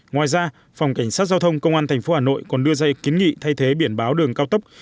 ngoài ra phòng cảnh sát giao thông công an tp hà nội còn đưa dây kiến nghị thay thế biển báo đường cao tốc